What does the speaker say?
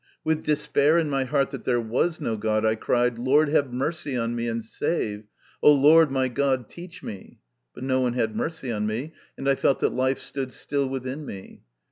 With despair in my heart that there was no God, I cried :" Lord, have mercy on me, and save ! O Lord, my God, teach me !" But no one had mercy on me, and I felt that life stood still within me.